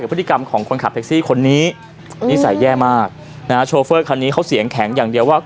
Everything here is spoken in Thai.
กับพฤติกรรมของคนขับเท็กสี่คนนี้อืมนิสัยแย่มากนะคันนี้เขาเสียงแข็งอย่างเดียวว่า